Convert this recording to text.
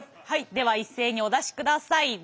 はいでは一斉にお出しください。